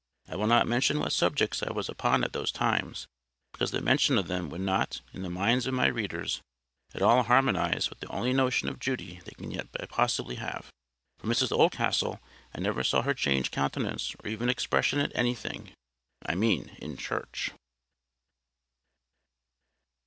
I will not mention what subjects I was upon at those times, because the mention of them would not, in the minds of my readers, at all harmonise with the only notion of Judy they can yet by possibility have. For Mrs Oldcastle, I never saw her change countenance or even expression at anything—I mean in church.